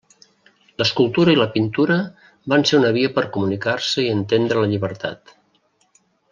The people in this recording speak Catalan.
L'escultura i la pintura van ser una via per comunicar-se i entendre la llibertat.